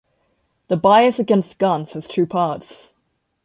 "The Bias Against Guns" has two parts.